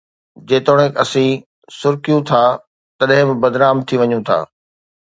جيتوڻيڪ اسين سُرڪيون ٿا، تڏهن به بدنام ٿي وڃون ٿا